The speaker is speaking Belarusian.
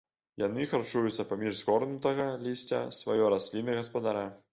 Яны харчуюцца паміж згорнутага лісця сваёй расліны-гаспадара.